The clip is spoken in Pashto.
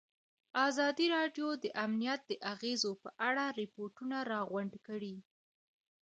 ازادي راډیو د امنیت د اغېزو په اړه ریپوټونه راغونډ کړي.